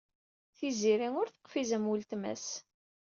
Tiziri ur teqfiz am weltma-s.